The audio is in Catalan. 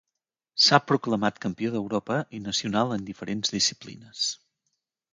S'ha proclamat campió d'Europa i nacional en diferents disciplines.